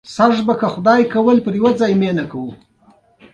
مسلمانان قبه الصخره هغه ځای ګڼي.